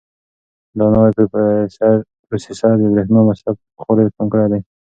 دا نوی پروسیسر د برېښنا مصرف تر پخوا ډېر کم کړی دی.